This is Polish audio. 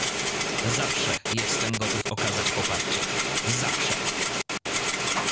"Zawsze jestem gotów okazać poparcie, zawsze."